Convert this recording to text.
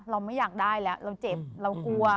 เราไม่อยากได้แล้วเราเจ็บเรากลัว